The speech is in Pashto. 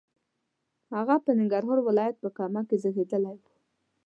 هغه په ننګرهار ولایت په کامه کې زیږېدلی و.